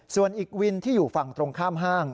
ส่วนอีกวินที่อยู่ฝั่งตรงข้ามห้าง